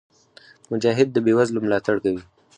مجاهد د بېوزلو ملاتړ کوي.